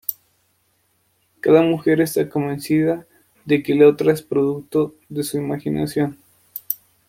Cada mujer está convencida de que la otra es producto de su imaginación.